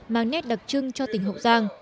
mang nhét đặc trưng cho tỉnh hậu giang